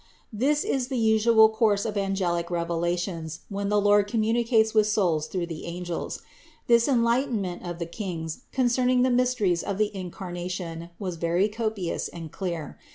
This is the usual course of angelic revelations when the Lord communicates with souls through the angels. This en lightenment of the Kings concerning the mysteries of the Incarnation was very copious and clear.